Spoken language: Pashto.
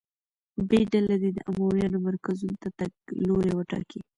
ب ډله دې د امویانو مرکزونو ته تګ لوری وټاکي.